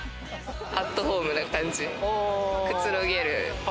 アットホームな感じ、くつろげる。